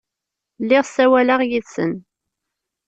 Lliɣ ssawaleɣ yid-sen.